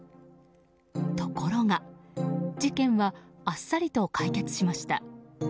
ところが事件はあっさりと解決しました。